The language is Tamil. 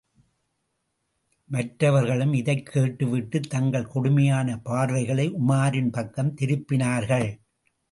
மற்றவர்களும் இதைக் கேட்டுவிட்டுத் தங்கள் கொடுமையான பார்வைகளை உமாரின் பக்கம் திருப்பினார்கள்!